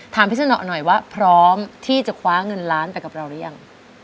พี่สนอหน่อยว่าพร้อมที่จะคว้าเงินล้านไปกับเราหรือยัง